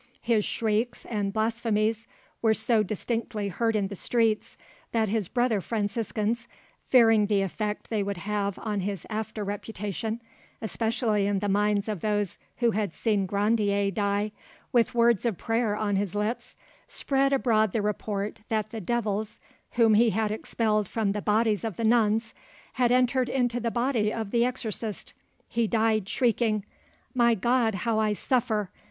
His shrieks and blasphemies were so distinctly heard in the streets, that his brother Franciscans, fearing the effect they would have on his after reputation, especially in the minds of those who had seen Grandier die with words of prayer on his lips, spread abroad the report that the devils whom he had expelled from the bodies of the nuns had entered into the body of the exorcist. He died shrieking— "My God! how I suffer!